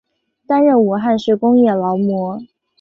担任武汉市工业劳模。